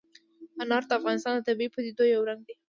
انار د افغانستان د طبیعي پدیدو یو رنګ دی.